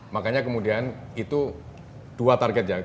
makanya kemudian itu dua target ya